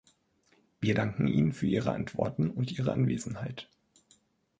Wir danken Ihnen für Ihre Antworten und Ihre Anwesenheit.